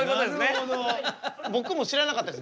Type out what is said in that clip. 僕も知らなかったです。